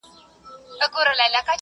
پوهنتون باید د څيړني لپاره پیسي ورکړي.